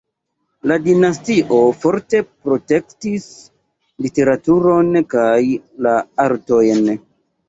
La dinastio forte protektis literaturon kaj la artojn.